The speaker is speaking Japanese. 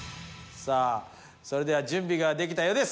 さあそれでは準備ができたようです。